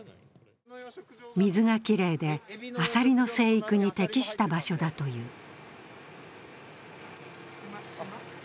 水がきれいでアサリの成育に適した場所だという。